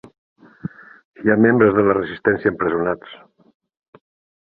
Hi ha membres de la resistència empresonats.